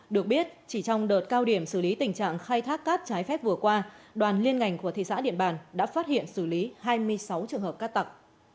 được biết chỉ trong đợt cao điểm xử lý tình trạng khai thác cát trái phép vừa qua đoàn liên ngành của thị xã điện bàn đã phát hiện xử lý hai mươi sáu trường hợp cát tặc